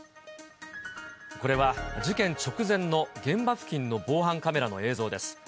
これは事件直前の現場付近の防犯カメラの映像です。